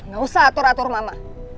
gak usah atur atur mama